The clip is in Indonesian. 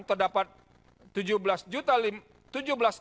terdapat tujuh belas lima juta pemilih tidak wajar dalam dpt